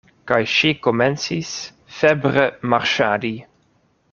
Kaj ŝi komencis febre marŝadi.